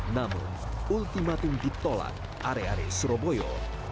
namun ultimatum ditolak are are surabaya